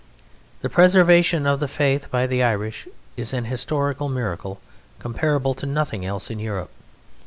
The preservation of the Faith by the Irish is an historical miracle comparable to nothing else in Europe.